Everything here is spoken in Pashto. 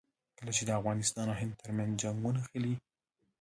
کله چې د افغانستان او هند ترمنځ جنګ ونښلي.